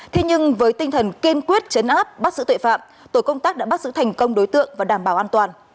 thế nhưng với tinh thần kiên quyết chấn áp bắt giữ tội phạm tổ công tác đã bắt giữ thành công đối tượng và đảm bảo an toàn